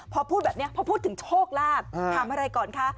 พอพูดแบบนี้พอพูดถึงโชคลาภถามอะไรก่อนคะ